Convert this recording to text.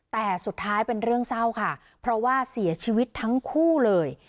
แต่สุดท้ายเป็นเรื่องเศร้าค่ะเพราะว่าเสียชีวิตทั้งคู่เลย